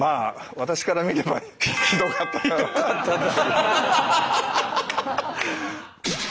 私から見ればひどかったんだ。